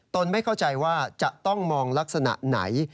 ไม่เข้าใจว่าจะต้องมองลักษณะไหน